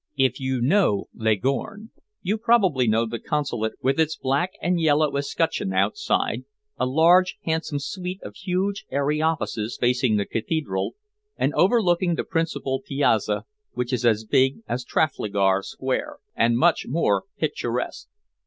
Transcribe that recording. If you know Leghorn, you probably know the Consulate with its black and yellow escutcheon outside, a large, handsome suite of huge, airy offices facing the cathedral, and overlooking the principal piazza, which is as big as Trafalgar Square, and much more picturesque.